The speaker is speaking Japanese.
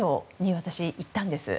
私、行ったんです。